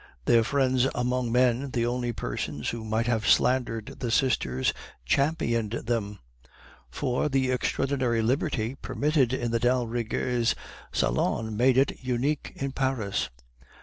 Their friends among men, the only persons who might have slandered the sisters, championed them; for the extraordinary liberty permitted in the d'Aldriggers' salon made it unique in Paris.